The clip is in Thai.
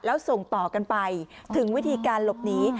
แล้วส่งต่อกันไปถึงวิธีการหลบหนี